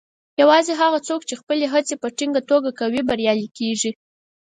یوازې هغه څوک چې خپلې هڅې په ټینګه توګه کوي، بریالي کیږي.